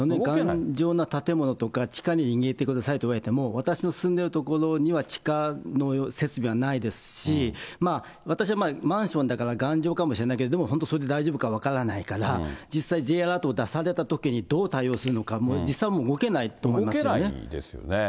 頑丈な建物とか、地下に逃げてくださいと言われても、私の住んでる所には地下の設備はないですし、私はマンションだから頑丈かもしれないけど、でも本当、それで大丈夫か分からないから、実際Ｊアラートを出されたときにどう対応するのか、実際、僕、動けないですよね。